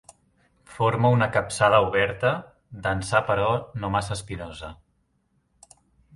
Forma una capçada oberta, densa però no massa espinosa.